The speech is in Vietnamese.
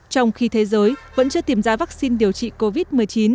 trong khi thế giới vẫn chưa tìm ra vaccine điều trị covid một mươi chín